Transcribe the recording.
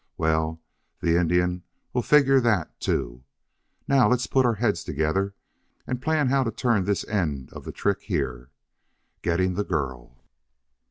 Well, the Indian will figure that, too. Now, let's put our heads together and plan how to turn this end of the trick here. Getting the girl!"